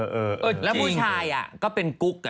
เหรอและผู้ชายก็เป็นกุ๊ก